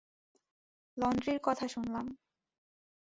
লন্ড্রির কথা শুনলাম।